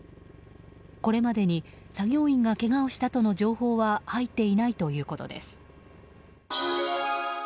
これまでに作業員がけがをしたとの情報は入っていないということです。